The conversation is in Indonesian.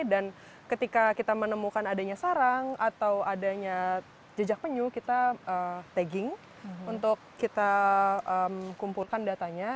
dan ketika kita menemukan adanya sarang atau adanya jejak penyu kita tagging untuk kita kumpulkan datanya